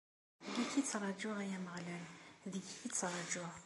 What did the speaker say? Deg-k i ttraǧuɣ, ay Ameɣlal, deg-k i ttraǧuɣ!